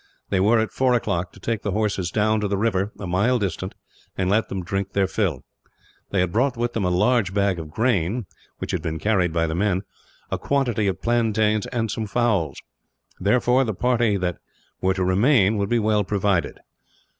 They were, at four o'clock, to take the horses down to the river, a mile distant, and let them drink their fill. They had brought with them a large bag of grain which had been carried by the men a quantity of plantains, and some fowls. Therefore, the party that were to remain would be well provided.